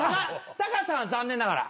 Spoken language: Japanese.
タカさんは残念ながら。